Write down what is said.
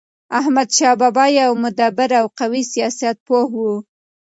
احمدشاه بابا يو مدبر او قوي سیاست پوه و.